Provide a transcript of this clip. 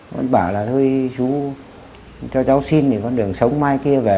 vẫn bảo là hơi chú cho cháu xin thì con đường sống mai kia về